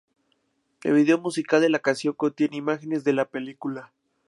El video musical de la canción contiene imágenes de la película.